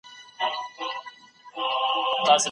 بيله سببه طلاق د اولادونو لپاره څه زيان لري؟